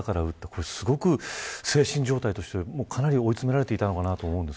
これすごく、精神状態としてかなり追い詰められていたのかなと思います。